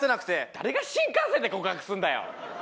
誰が新幹線で告白するんだよ！